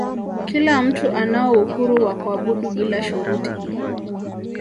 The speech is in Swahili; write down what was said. kila mtu anao uhuru wa kuabudu bila shuruti